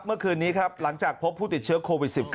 เมื่อคืนนี้ครับหลังจากพบผู้ติดเชื้อโควิด๑๙